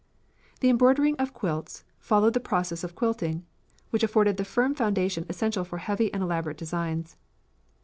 The embroidering of quilts followed the process of quilting, which afforded the firm foundation essential for heavy and elaborate designs.